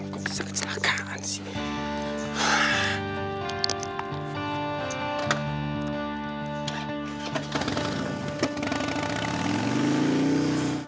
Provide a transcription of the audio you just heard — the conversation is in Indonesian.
kok bisa kecelakaan sih